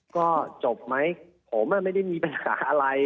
ก็จบไหมผมไม่ได้มีปัญหาอะไร